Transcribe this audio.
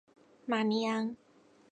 马尼昂。